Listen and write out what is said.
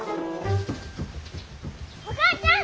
お母ちゃん！